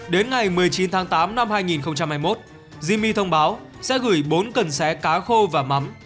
đến ngày một mươi chín tháng tám năm hai nghìn hai mươi một zmi thông báo sẽ gửi bốn cần xé cá khô và mắm